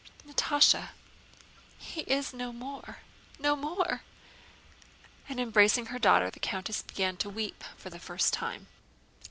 "Natásha, he is no more, no more!" And embracing her daughter, the countess began to weep for the first time.